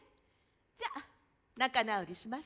じゃ仲直りしましょ。